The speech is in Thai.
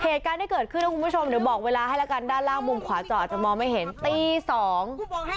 เหตุการณ์ที่เกิดขึ้นนะคุณผู้ชมเดี๋ยวบอกเวลาให้แล้วกันด้านล่างมุมขวาจออาจจะมองไม่เห็นตีสอง